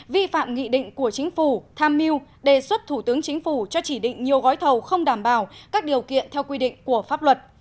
vi phạm nghị định của chính phủ tham mưu đề xuất thủ tướng chính phủ cho chỉ định nhiều gói thầu không đảm bảo các điều kiện theo quy định của pháp luật